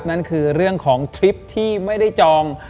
นั่นคือเรื่องของทริปที่ไม่ได้จอง